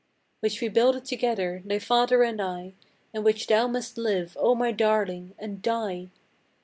Which we builded together, thy father and I; In which thou must live, O my darling, and die!